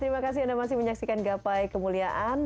terima kasih anda masih menyaksikan gapai kemuliaan